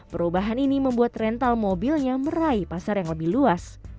perubahan ini membuat rental mobilnya meraih pasar yang lebih luas